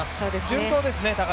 順当ですね。